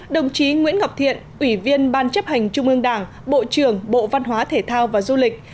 đồng chí nguyễn ngọc thiện ủy viên ban chấp hành trung ương đảng bộ trưởng bộ văn hóa thể thao và du lịch